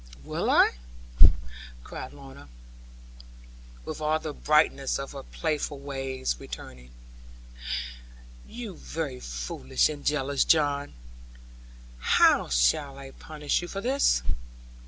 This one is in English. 'Will I?' cried Lorna, with all the brightness of her playful ways returning: 'you very foolish and jealous John, how shall I punish you for this?